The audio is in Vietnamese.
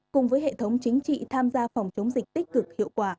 cùng với hệ thống chính trị tham gia phòng chống dịch tích cực hiệu quả